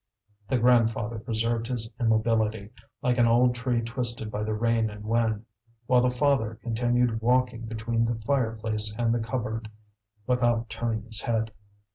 The grandfather preserved his immobility, like an old tree twisted by the rain and wind; while the father continued walking between the fireplace and the cupboard, without turning his head.